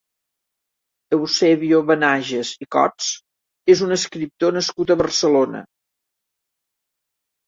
Eusebio Benajes i Cots és un escriptor nascut a Barcelona.